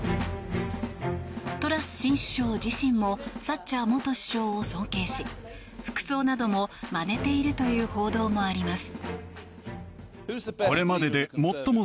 トラス新首相自身もサッチャー元首相を尊敬し服装などもまねているという報道もあります。